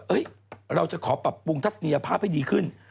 เราจะขอปรับปรุงทัศนียภาพให้ดีขึ้น